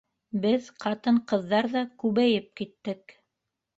Беҙ ҡатын-ҡыҙҙар ҙа күбәйеп киттек.